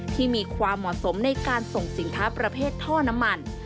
ที่มีความเหมาะสมในการส่งสินค้าประเภทท่อน้ำมัน